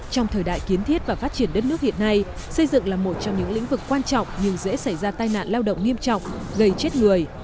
trong thời đại kiến thiết và phát triển đất nước hiện nay xây dựng là một trong những lĩnh vực quan trọng nhưng dễ xảy ra tai nạn lao động nghiêm trọng gây chết người